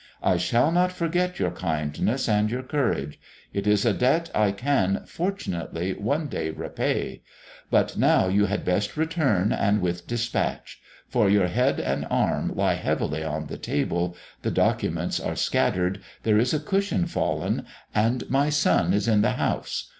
"I shall not forget your kindness and your courage. It is a debt I can, fortunately, one day repay.... But now you had best return and with dispatch. For your head and arm lie heavily on the table, the documents are scattered, there is a cushion fallen ... and my son is in the house....